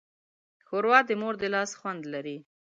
ښوروا د مور د لاس خوند لري.